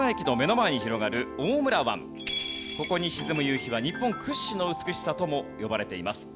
ここに沈む夕日は日本屈指の美しさとも呼ばれています。